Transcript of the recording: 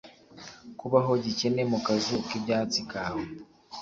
kubaho gikene mu kazu k'ibyatsi kawe